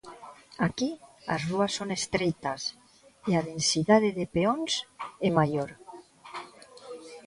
Aquí as rúas son estreitas e a densidade de peóns é maior.